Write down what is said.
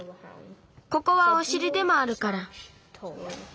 ここはおしりでもあるから。